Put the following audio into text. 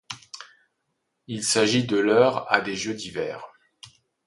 Il s'agit de leur à des Jeux d'hiver.